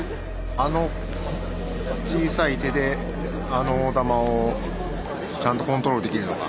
あの小さい手であの大玉をちゃんとコントロールできるのか。